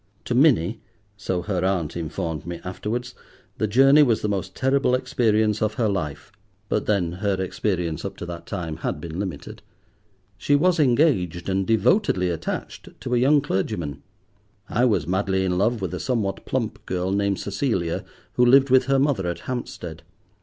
To Minnie, so her aunt informed me afterwards, the journey was the most terrible experience of her life, but then her experience, up to that time, had been limited. She was engaged, and devotedly attached, to a young clergyman; I was madly in love with a somewhat plump girl named Cecilia who lived with her mother at Hampstead.